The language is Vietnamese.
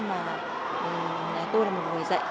mà tôi là một người dạy